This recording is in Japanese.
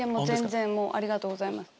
全然！ありがとうございます。